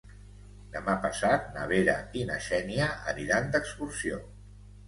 Demà passat na Vera i na Xènia aniran d'excursió.